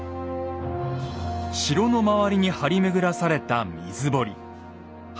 城の周りに張り巡らされた水堀。